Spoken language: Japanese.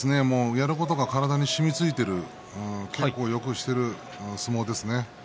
やることが体にしみついており稽古をよくしている相撲ですね。